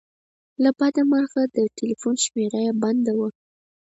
له بده مرغه د ټیلیفون شمېره یې بنده وه.